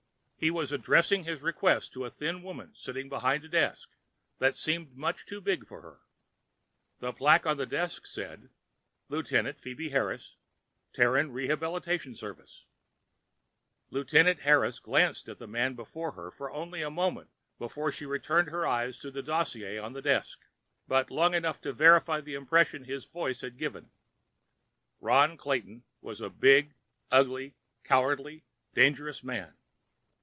He was addressing his request to a thin woman sitting behind a desk that seemed much too big for her. The plaque on the desk said: LT. PHOEBE HARRIS TERRAN REHABILITATION SERVICE Lieutenant Harris glanced at the man before her for only a moment before she returned her eyes to the dossier on the desk; but long enough to verify the impression his voice had given. Ron Clayton was a big, ugly, cowardly, dangerous man.